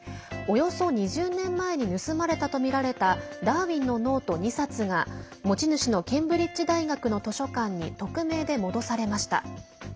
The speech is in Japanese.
およそ２０年前に盗まれたとみられたダーウィンのノート、２冊が持ち主のケンブリッジ大学の図書館に匿名で戻されました。